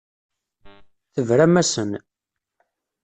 Tebram-asen.